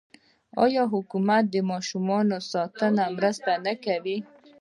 آیا حکومت د ماشوم ساتنې مرسته نه کوي؟